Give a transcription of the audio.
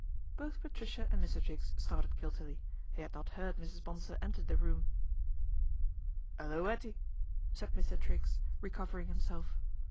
Both Patricia and Mr. Triggs started guiltily ; they had not heard Mrs. Bonsor enter the room. ' 'Ullo, 'Ettie !" said Mr. Triggs, recovering himself.